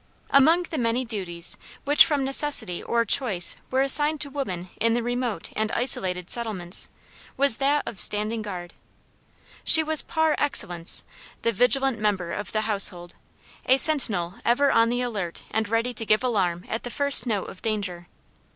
Among the many duties which from necessity or choice were assigned to woman in the remote and isolated settlements, was that of standing guard. She was par excellence the vigilant member of the household, a sentinel ever on the alert and ready to give alarm at the first note of danger.